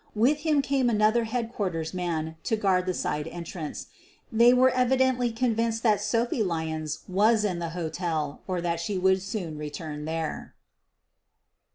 With him came another headquarters man to guard the side entrance. They were evidently convinced that Sophie Lyons was in the hotel or that she would soon return there.